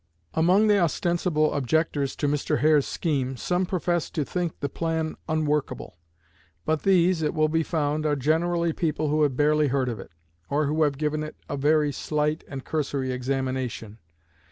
Among the ostensible objectors to Mr. Hare's scheme, some profess to think the plan unworkable; but these, it will be found, are generally people who have barely heard of it, or have given it a very slight and cursory examination.